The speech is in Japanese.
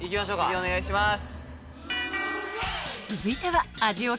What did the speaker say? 次お願いします。